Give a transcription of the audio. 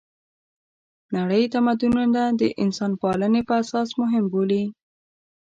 نړۍ تمدونونه د انسانپالنې په اساس مهم بولي.